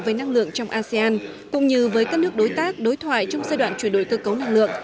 với năng lượng trong asean cũng như với các nước đối tác đối thoại trong giai đoạn chuyển đổi cơ cấu năng lượng